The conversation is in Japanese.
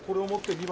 ２番？